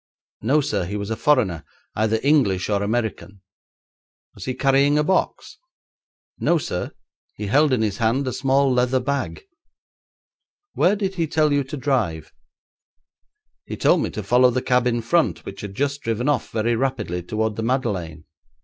'No, sir; he was a foreigner, either English or American.' 'Was he carrying a box?' 'No, sir; he held in his hand a small leather bag.' 'Where did he tell you to drive?' 'He told me to follow the cab in front, which had just driven off very rapidly towards the Madeleine.